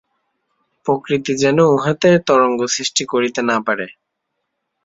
প্রকৃতি যেন উহাতে তরঙ্গ সৃষ্টি করিতে না পারে।